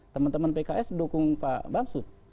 teman teman pks mendukung pak bamsud